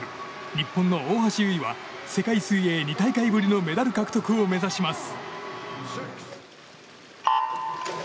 日本の大橋悠依は世界水泳２大会ぶりのメダル獲得を目指します。